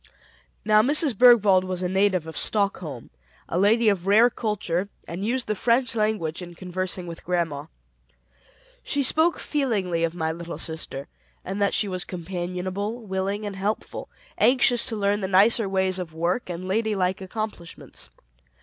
Now, Mrs. Bergwald was a native of Stockholm, a lady of rare culture, and used the French language in conversing with grandma. She spoke feelingly of my little sister, said that she was companionable, willing, and helpful; anxious to learn the nicer ways of work, and ladylike accomplishments.